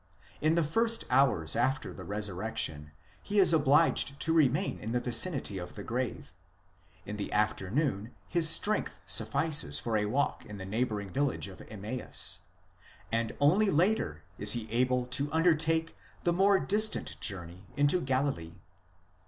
In the first hours after the resurrection he is obliged to remain in the vicinity of the grave; in the afternoon his strength suffices for a walk to the neighbouring village of Emmaus ; and only later is he able to undertake the more distant journey into Galilee.